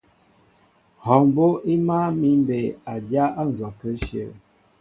Hɔɔ mbó' í máál mi mbey a dyá á nzɔkə íshyə̂.